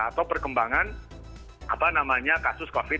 atau perkembangan kasus covid sembilan